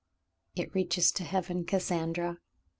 '*It reaches to heaven, Cassandra."